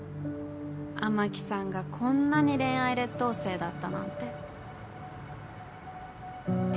雨樹さんがこんなに恋愛劣等生だったなんて。